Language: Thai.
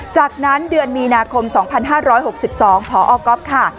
จากนั้นเดือนมีนาคมสองพันห้าร้อยหกสิบสองพอก๊อบค่ะ